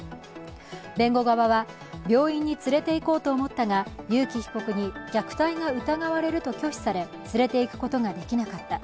弁護側は、病院に連れて行こうと思ったが、裕喜被告に虐待が疑われると拒否され連れて行くことができなかった。